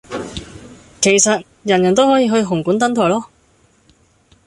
其實，人人都可以去紅館登台噶!